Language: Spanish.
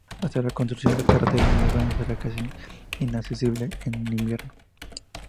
Hasta la construcción de carreteras modernas, era casi inaccesible en invierno.